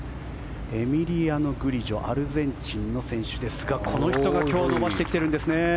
エミリアノ・グリジョアルゼンチンの選手ですがこの人が今日伸ばしてきているんですね。